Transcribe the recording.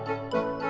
ya pak sofyan